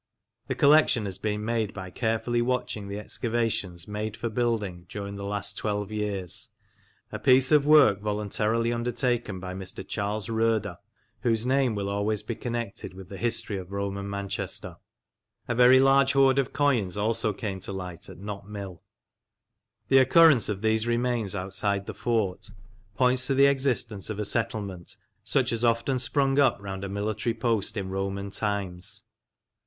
The collection has been made by carefully watching the excavations made for building during the last twelve years, a piece of work voluntarily undertaken by Mr. Charles Roeder, whose name will always be connected with the history of Roman Manchester. A very large hoard of coins also came to light at Knott Mill. The occurrence of these remains outside the fort points to the existence of a settlement such as often sprung up round a military post in Roman times.